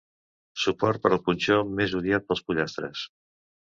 Suport per al punxó més odiat pels pollastres.